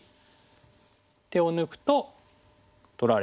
手を抜くと取られて。